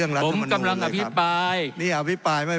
ทั้งสองกรณีผลเอกประยุทธ์